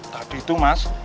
tadi tuh mas